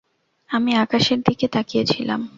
আমি আকাশের দিকে তাকিয়েছিলাম।